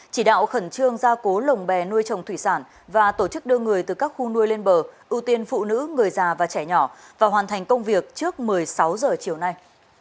chỉ đạo khẩn trương gia cố lồng bè nuôi trồng thủy sản và tổ chức đưa người từ các khu nuôi lên bờ ưu tiên phụ nữ người già và trẻ nhỏ và hoàn thành công việc trước một mươi sáu h chiều nay